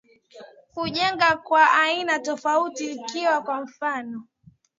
kujenga kwa aina tofauti Ikiwa kwa mfano